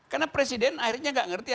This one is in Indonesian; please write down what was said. karena presiden akhirnya gak ngerti